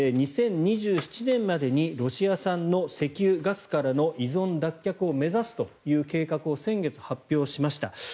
２０２７年までにロシア産の石油、ガスからの依存脱却を目指すという計画を先月、発表しました。